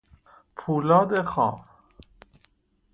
پولاد خام